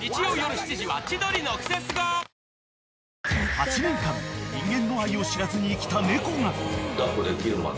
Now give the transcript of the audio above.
［８年間人間の愛を知らずに生きた猫が］